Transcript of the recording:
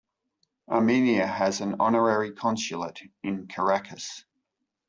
Armenia has an honorary consulate in Caracas.